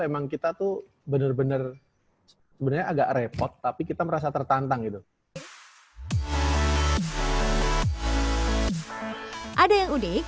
memang kita tuh bener bener bener agak repot tapi kita merasa tertantang itu ada yang udah